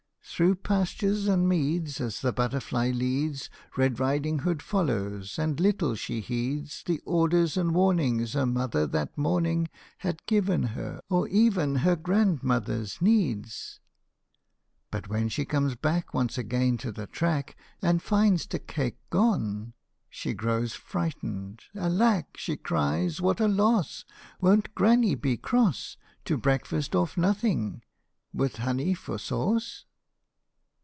] Through pastures and meads as the butterfly leads, Red Riding Hood follows, and little she heeds The orders and warning her mother that morning Had given her, or even her grandmother's needs. But when she comes back once again to the track, And finds the cake gone, she grows frightened. " Alack !" 37 LITTLE RED RIDING HOOD. She cries, " what a loss ! Won't granny be cross. To breakfast off nothing with honey for sauce